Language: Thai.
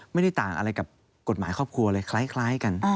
ไม่ได้ต่างอะไรกับกฎหมายครอบครัวเลยคล้ายกัน